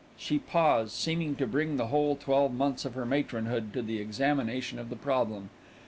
She paused, seeming to bring the whole twelve months of her matronhood to the examination of the problem.